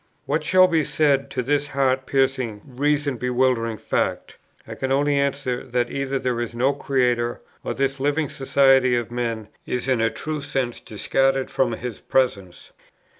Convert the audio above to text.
What shall be said to this heart piercing, reason bewildering fact? I can only answer, that either there is no Creator, or this living society of men is in a true sense discarded from His presence.